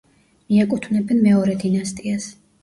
მიაკუთვნებენ მეორე დინასტიას.